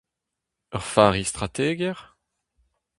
Ur fazi strategiezh ?